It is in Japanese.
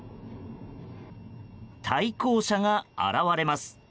対向車が現れます。